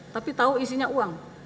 tapi tahu isinya uang